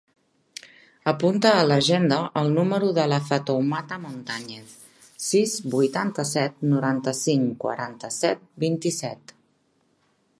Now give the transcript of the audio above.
Apunta a l'agenda el número de la Fatoumata Montañez: sis, vuitanta-set, noranta-cinc, quaranta-set, vint-i-set.